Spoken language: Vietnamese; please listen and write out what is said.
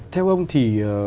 theo ông thì